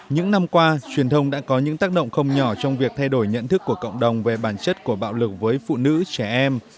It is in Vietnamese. những năm qua truyền thông đã có những tác động không nhỏ trong việc thay đổi nhận thức của cộng đồng về bản chất của bạo lực với phụ nữ trẻ em